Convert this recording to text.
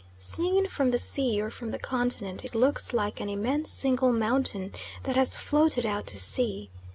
Seen from the sea or from the continent it looks like an immense single mountain that has floated out to sea.